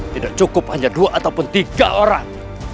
tidak cukup hanya dua ataupun tiga orang